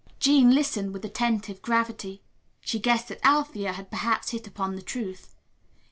'" Jean listened with attentive gravity. She guessed that Althea had perhaps hit upon the truth.